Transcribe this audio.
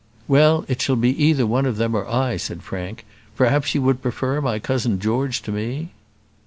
"Well, it shall be either one of them or I," said Frank: "perhaps you would prefer my cousin George to me?"